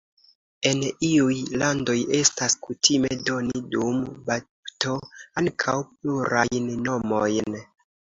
En iuj landoj estas kutime doni dum bapto ankaŭ plurajn nomojn.